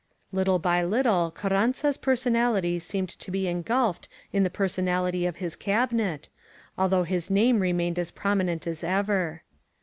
Little by little Carranza's personality seemed to be engulfed in the personality of his Cabinet, al* though his name remained as prominent as ever.